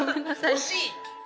惜しい！